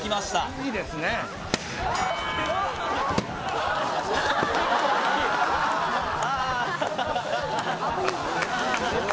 ・いいですねうわ